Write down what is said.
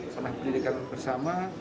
pernah pendidikan bersama